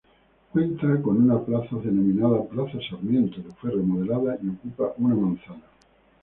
Cuenta con una plaza, denominada "Plaza Sarmiento" que fue remodelada, y ocupa una manzana.